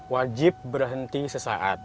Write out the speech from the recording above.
wajib berhenti sesaat